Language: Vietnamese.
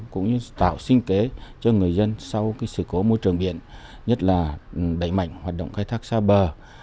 cũng như tạo sinh kế cho người dân sau sự cố môi trường biển nhất là đẩy mạnh hoạt động khai thác xa bờ